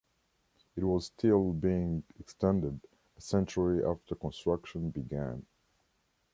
It was still being extended a century after construction began.